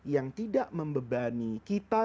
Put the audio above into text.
yang tidak membebani kita